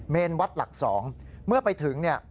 วัดหลัก๒เมื่อไปถึงเนี่ย